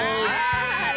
はい！